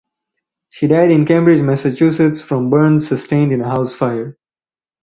She died in Cambridge, Massachusetts, from burns sustained in a house fire.